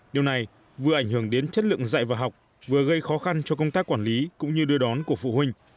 điều này vừa ảnh hưởng đến chất lượng dạy và học vừa gây khó khăn cho công tác quản lý cũng như đưa đón của phụ huynh